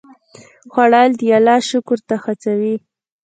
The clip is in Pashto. خوړل د الله شکر ته هڅوي